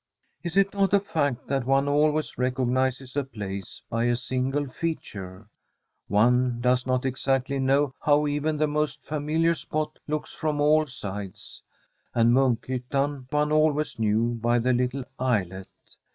Is it not a fact that one always recognises a place by a single feature ? One does HQt exactly #W« s SWEDISH HOMESTEAD know how even the most familiar spot looks from tU sides. And Munkhyttan one always knew by the little islet.